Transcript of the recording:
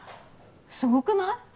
すごくない？